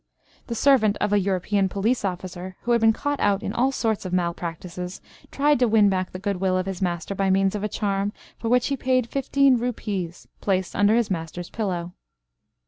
The servant of a European police officer, who had been caught out in all sorts of malpractices, tried to win back the good will of his master by means of a charm, for which he paid fifteen rupees, placed under his master's pillow.